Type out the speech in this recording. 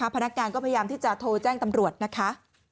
พนักงานก็พยายามที่จะโทรแจ้งตำรวจนะคะ